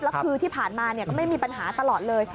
แล้วคือที่ผ่านมาก็ไม่มีปัญหาตลอดเลย